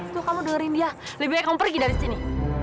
tuh kamu dengerin dia lebih akan pergi dari sini